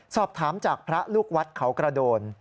สอบถามจากพระลูกวัดเขากระโดน